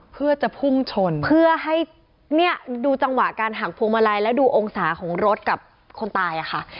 เพื่อจะพุ่งชนเพื่อให้เนี่ยดูจังหวะการหักพวงมาลัยแล้วดูองศาของรถกับคนตายอะค่ะ